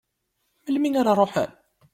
Melmi ara ruḥen?